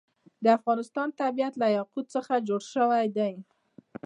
د افغانستان طبیعت له یاقوت څخه جوړ شوی دی.